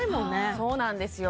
そうなんですよ